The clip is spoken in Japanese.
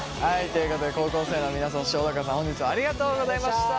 ということで高校生の皆さんそして小高さん本日はありがとうございました！